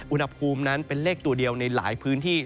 อุณหภูมินั้นเป็นเลขตัวเดียวในหลายพื้นที่